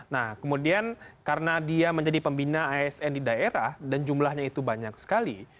nah kemudian karena dia menjadi pembina asn di daerah dan jumlahnya itu banyak sekali